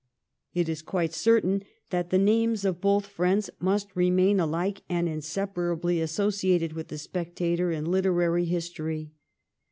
It is quite certain that the names of both friends must remain alike and inseparably associated with ' The Spectator ' in literary history.